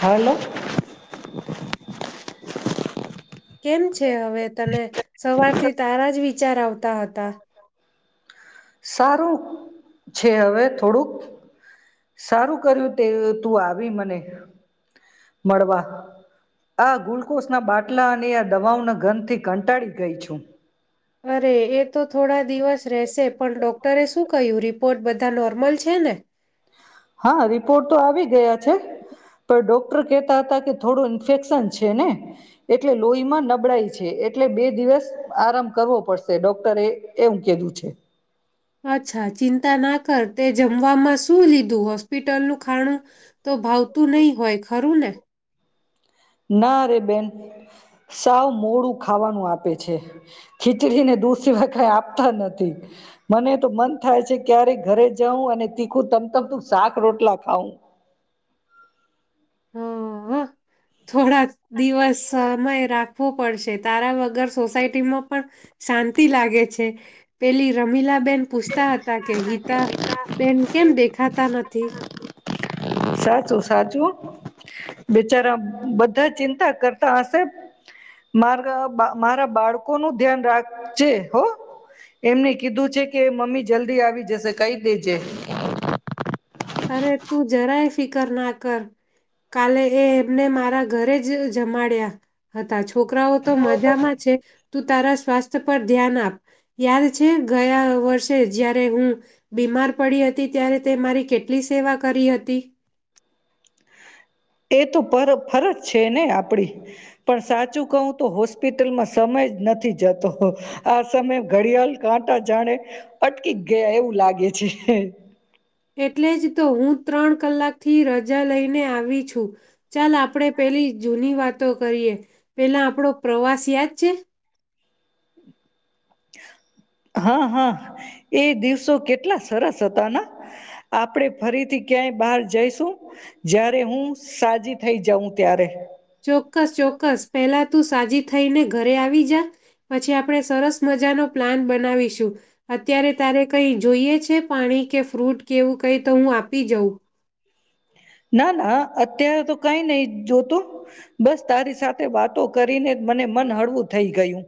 Hello. કેમ છે હવે તને સવારથી તારા જ વિચાર આવતા હતા. સારું છે હવે થોડુંક સારું કર્યું તે તું આવી મને મળવા આ ગ્લુકોઝ ના બાટલા અને આ દવાઓના ઘર થી કંટાળી ગઈ છું. અરે એ. તો થોડા દિવસ રહેશે. પણ ડોક્ટરે શું કહ્યું રિપોર્ટ બધા નોર્મલ છે ને. હા રિપોર્ટ તો આવી ગયા છે. પણ ડોક્ટર કેતા હતા કે થોડો ઇન્ફેક્શન છે ને એટલે લોહીમાં નબળાઈ છે એટલે બે દિવસ આરામ કરવો પડશે ડોક્ટરે એવું કધું છે. અચ્છા ચિંતા ના કર તે જમવામાં શું લીધું હોસ્પિટલનું ખાણું તો ભાવતું નહી હોય. ખરું ને ના રે બેન સાવ મોડું ખાવાનું આપે છે ખીચડીને દૂધ સિવાયે કઈ આપતા નથી મને તો મન થાય છે ક્યારેય ઘરે જઉં અને તીખું તમ તમતું શાક રોટલા ખાવું. હા હા. થોડાક દિવસ સમય રાખ. પડશે તારા વગર સોસાયટીમાં પણ શાંતિ લાગે છે પેલી રમીલા. બેન પૂછતા હતા કે ગીતા, બેન કેમ દેખાતા નથી. નથી. સાચું સાચું, બીચારા બધા ચિંતા કરતા હશે, મારા મારા બાળકો નું ધ્યાન રાખજે હો, એમને કીધું છે કે મમ્મી જલ્દી આવી જશે કઈ દેજે. અરે તું જરાય ફિકર ના કર, કાલે એ એમને મારા ઘરે જ જમાડ્યા હતા. છોકરાઓ તો મજામાં છે. તું તારા સ્વાસ્થ્ય પર ધ્યાન આપ, યાદ છે ગયા વર્ષે જ્યારે હું બીમાર પડી હતી ત્યારે તે મારી કે લી સેવા કરી હતી. એ તો ફરજ છે ને આપડી, પણ સાચું કહું તો હોસ્પિટલમાં સમય જ નથી જતો, આ સમય ઘડિયાળ કાંટા જાણે, અટકી ગયા એવું લાગે છે. એટલે જ તો હું ત્રણ કલાકથી રજા લઈને આવી છું, ચાલ આપણે પેલી જૂની વાતો કરીએ, પહેલા આપણો પ્રવાસ યાદ છે? હા હા, એ દિવસો કેટલા સરસ હતાના, આપડે ફરીથી ક્યાંય બહાર જઈશું, જારે હું સાજી થઈ જાઉં ત્યારે. ચોક્કસ ચોક્કસ પહેલા તું સાજી થઈને ઘરે આવી જા, પછી આપણે સરસ મજાનો પ્લાન બનાવીશું, અત્યારે તારે કઈ જોઈએ છે પાણી કે ફ્રૂટ કેવું કંઈ તો હું આપી જાઉં. ના ના અત્યારે તો કઈ નહી જોતું, બસ તારી સાથે વાતો કરીને જ મને મન હળવું થઈ ગયું,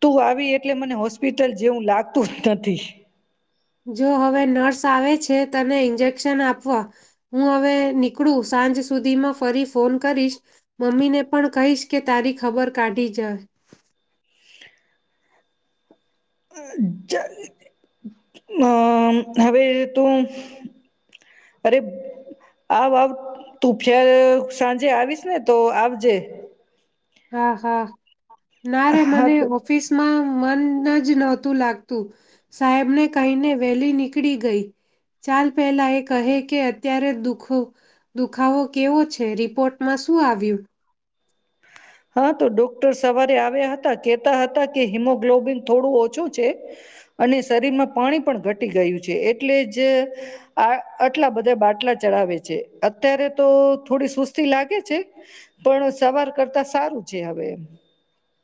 તું આવી એટલે મને હોસ્પિટલ જેવું લાગતું જ નથી. જો હવે નર્સ આવે છે તને ઇન્જેક્શન આપવા, હું હવે નીકળું સાંજ સુધીમાં ફરી ફોન કરીશ, મમ્મીને પણ કહીશ કે તારી ખબર કાઢી જાય. અમ હવે તું, અરે આવ આવ તું ફર સાંજે આવીશ ને તો આવજે. હા હા. ના રે હા મને તો ઓફિસ માં મન જ નહોતું લાગતું, સાહેબ ને કહીને વેલી નીકળી ગઈ, ચાલ પહેલા એ કહે કે અત્યારે દુખો, દુખાવો કેવો છે રિપોર્ટમાં શું આવ્યું? હા તો ડોક્ટર સવારે આવ્યા હતા કેતા હતા કે હિમોગ્લોબિન થોડું ઓછું છે, અને શરીરમાં પાણી પણ ઘટી ગયું છે એટલે જ, આ આટલા બધા બાટલા ચડાવે છે અત્યારે તો થોડી સુસ્તી લાગે છે, પણ સવાર કરતા સારું છે હવે એમ.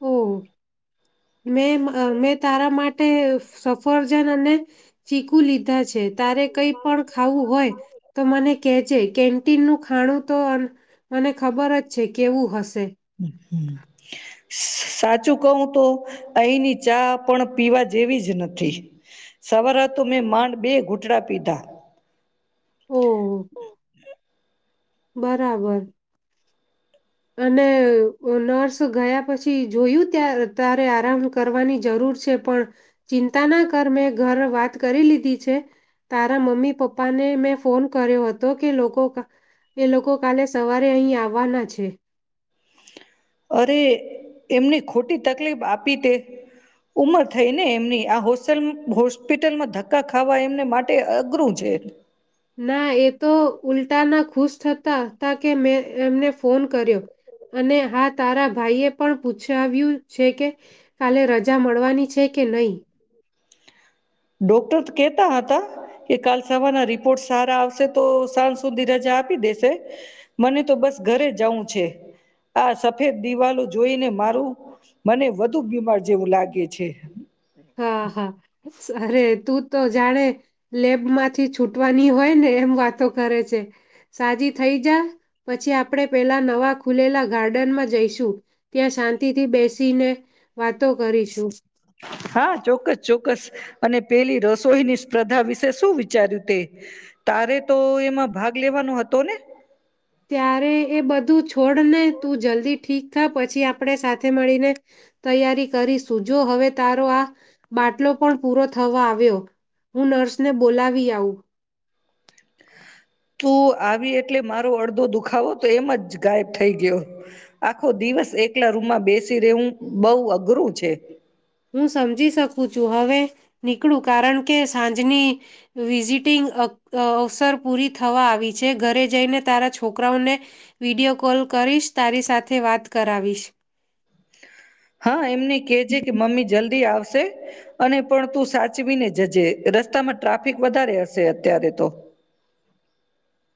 ઓ મે મેં તારા માટે સફરજન અને, ચીકુ લીધા છે. તારે કઈ પણ ખાવું હોય, તો મને કેજે કેન્ટીન નું ખાણું તો મને ખબર જ છે કેવું હશે. હમ હા. સાચું કહું તો, અહીંની ચા પણ પીવા જેવી જ નથી. સવલતુ મે માંડ બે ઘુટડા પીધા ઓ. બરાબર. અને નર્સ ગયા પછી જોયું ત્યા તારે આરામ કરવાની જરૂર છે પણ, ચિંતા ના કર મેં ઘર વાત કરી લીધી છે, તારા મમ્મી પપ્પાને મેં ફોન કર્યો હતો કે લોકો એ, લોકો કાલે સવારે અહીં આવવાના છે. અરે એમની ખોટી તકલીફ આપી તે, ઉંમર થઈને એમની આ હોસ્પિટલમાં ધક્કા ખાવા એમને માટે અઘરું છે. ના એ તો ઉલટા ના ખુશ થતા હતા કે મેં એમને ફોન કર્યો, અને હા તારા ભાઈ એ પણ પૂછાવ્યું છે કે, કાલે રજા મળવાની છે કે નહી. ડોક્ટર કેતા હતા કે કાલ સવારના રિપોર્ટ સારા આવશે તો સાંજ સુધી રજા આપી દેશે, મને તો બસ ઘરે જવું છે, આ સફેદ દિવાલો જોઈને મારું મને વધુ બીમાર જેવું લાગે છે. હા હા. અરે તું તો જાણે, લેબમાંથી છૂટવાની હોય ને એમ વાતો કરે છે, સાજી થઈ જા પછી આપણેે પેલા નવા ખુલેલા ગાર્ડનમાં જઈશું, ત્યાં શાંતિ થી બેસીને વાતો કરીશું. હા ચોક્કસ ચોક્કસ, અને પેલી રસોઈની સ્પર્ધા વિશે શું વિચાર્યું તે, તારે તો એમાં ભાગ લેવાનો હતો ને. ત્યારે એ બધું છોડને તું જલ્દી ઠીક થા પછી આપણે સાથે મળીને, તૈયારી કરીશું જો હવે તારો આ, બાટલો પણ પૂરો થવા આવ્યો હું નર્સને બોલાવી આવું. તું આવી એટલે મારો અડધો દુખાવો તો એમ જ ગાયબ થઈ ગયો, આખો દિવસ એકલા રૂમમાં બેસી રહેેવું બહ અઘરું છે. હું સમજી શકું છું હવે, નીકળું કારણ કે સાંજની વિઝિટિંગ અવસર પૂરી થવા આવી છે, ઘરે જઈને તારા છોકરાઓને વિડિયો કોલ કરીશ તારી સાથે વાત કરાવીશ. હા. એમને કેહે છે કે મમ્મી જલ્દી આવશે. અને પણ તું સાચવીને જજે રસ્તામાં ટ્રાફિક વધારે હશે અત્યારે તો.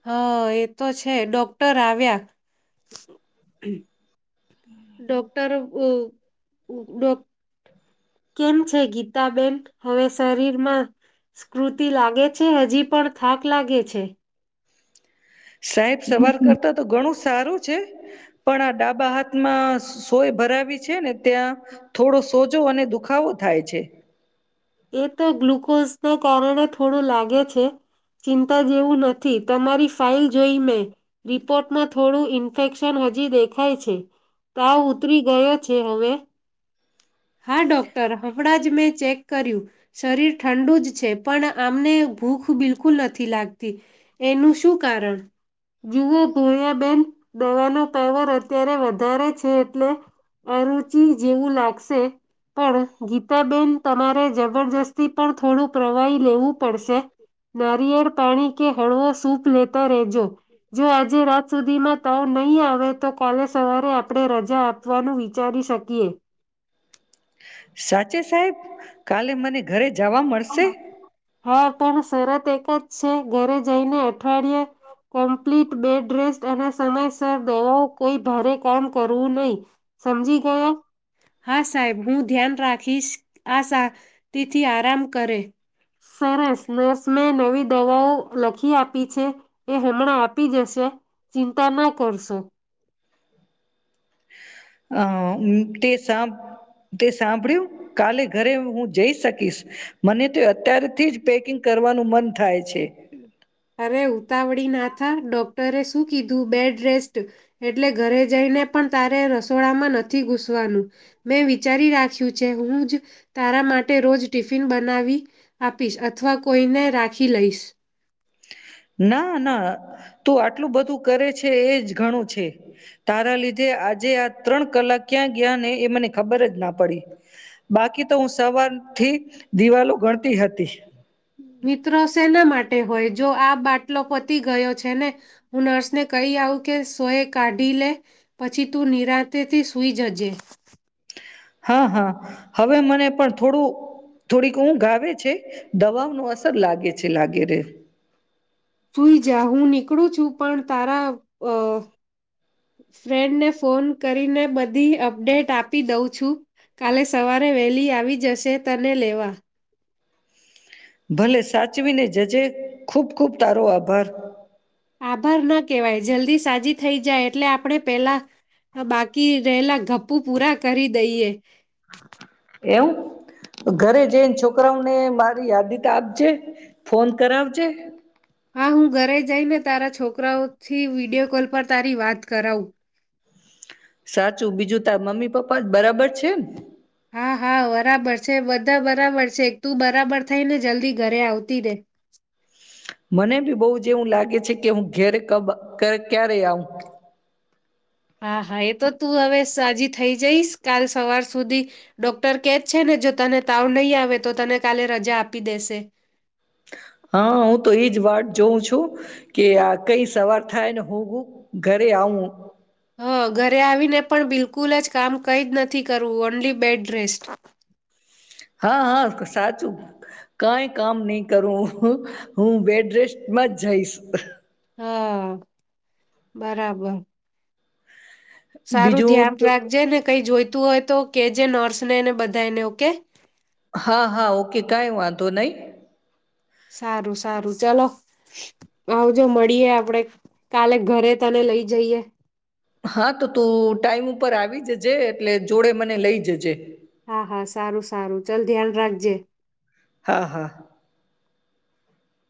હા એ તો છે ડોક્ટર આવ્યા ડોક્ટર ડોક કેમ છે ગીતાબેન હવે શરીરમાં સ્કૃતિ લાગે છે હજી પણ થાક લાગે છે સાહેબ સવાર બિલકુલ કરતા તો ઘણું સારું છે પણ આ ડાબા હાથમાં સોય ભરાવી છે ને ત્યાં થોડો સોજો અને દુખાવો થાય છે એ તો ગ્લુકોઝના કારણે થોડું લાગે છે ચિંતા જેવું નથી તમારી ફાઇલ જોઈ મેં રિપોર્ટમાં થોડું ઈન્ફેક્શન હજી દેખાય છે તાવ ઉતરી ગયો છે હવે હા ડૉક્ટર હમણાં જ મેં ચેક કર્યું શરીર ઠંડુ જ છે પણ આમને ભૂખ બિલકુલ નથી લાગતી એનું શું કારણ જુઓ ભોરયાબેન દવાનો પાવર અત્યારે વધારે વધારે છે એટલે અરુચિ જેવું લાગશે પણ ગીતાબેન તમારે જબરજસ્તી પર થોડું પ્રવાહી લેવું પડશે નારિયેળ પાણી કે હળવો સૂપ લેતા રેજો જો આજે રાત સુધીમાં તાવ નહી આવે તો કાલે સવારે આપણે રજા આપવાનું વિચારી શકીએ સાચે સાહેબ કાલે મને ઘરે જવા હા મળશે હા પણ શરત એક જ છે ઘરે જઈને અઠવાડિયાે કમ્પ્લીટ બેડ રેસ્ટ અને સમયસર દવાઓ કોઈ ભારે કામ કરવું નહી સમજી ગયો હા સાહેબ હું ધ્યાન રાખીશ આ તેથી આરામ સરસ નર્સ નવી દવાઓ લખી આપી છે એ હમણાં આપી જશે ચિંતા ના કરશો હ તે સાંભ તે સાંભળ્યું કાલે ઘરે હું જઈ શકીશ મને તો અત્ય્યારેથી જ પેકિંગ કરવાનું મન થાય છે તારે ઉતાવળી નાથા ડૉક્ટરે શું કીધું બેડ રેસ્ટ એટલે ઘરે જઈને પણ તારે રસોડામાં નથી ઘૂસવાનું મેં વિચારી રાખ્યું છે હું જ તારા માટે રોજ ટિફિન બનાવી આપીશ અથવા કોઈને રાખી લઈશ ના ના તું આટલું બધું કરે છે એ જ ઘણું છે તારા લીધે આજે આ ત્રણ કલાક ક્યાં ગયા ને એ મને ખબર જ ના પડી બાકી તો હું સવાર થી દિવાલો ગણતી હતી મિત્રો શેના માટે હોય જો આ બાટલો પતી ગયો છે ને હું નર્સને કહી આવું કે સોય કાઢી લે પછી તું નિરાંતેથી સૂઈ જજે હા હા હવે મને પણ થોડું થોડીક ઊંધ આવે છે દવાઓ ન અસર લાગે છે લાગે રે સુઈ જા હું. નીકળું છું પણ તારા અ ફ્રેન્ડને ફોન કરીને બધી અપડેટ આપી દઉં છું કાલે સવારે વેલી આવી જશે તને લેવા. ભલે સાચવીને જજે ખૂબ ખૂબ તારો આભાર. આભાર ના કેહેવાય જલ્દી સાજી થઈ જાય એટલે આપણે પેલા બાકી રહેલા ગપ્પુ પૂરા કરી દઈએ. એવુ ઘરે જઈને છોકરાઓને મારી યાદીત આપજે ફોન કરાવજે. હા હું ઘરે જઈને તારા છોકરાઓથી વિડિયો કોલ પર તારી વાત કરાવું. સાચું બીજું તાર મમ્મી પપ્પા જ બરાબર છે ને. હા હા બરાબર છે બધા બરાબર છે એક તું બરાબર થઈ ને જલ્દી ઘરે આવતી રે. મને બી બહુ જ એવું લાગે છે કે હું ઘેરે કબ ક્યારે આવ. હા હા એ તો તું હવે સાજી થઈ જઈશ કાલ સવાર સુધી ડોક્ટર કેજ છે ને જો તને તાવ નહીં આવે તો તને કાલે રજા આપી દેશે. હા હું તો એજ વાત જોઉં છું કે આ કઈ સવાર થાય ને હું ઘરે આવું. હં ઘરે આવીને પણ બિલકુલ જ કામ કંઈ જ નથી કરવું ઓનલી બેડરેસ્ટ. હા હા સાચું કઈ કામ નઈ કરું હું બેડરેસ્ટમાં જ જઈશ. હા બરાબર. સારું બીજું ધ્યાન તો રાખજે ને કઈ જોઈ. તું હોય તો કે જે નર્સ નેને બધાને ઓકે. હા હા ઓકે કઈ વાંધો નહી. સારું સારું ચલો આવજો મળીએ આપડે કાલે ઘરે તને લઈ જઈએ. હા તો તું ટાઈમ ઉપર આવી જજે એટલે જોડે મને લઈ જજે. હા હા સારું સારું ચાલ ધ્યાન રાખજે. હા હા.